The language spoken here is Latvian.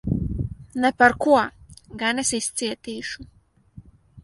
Ne par ko! Gan es izcietīšu.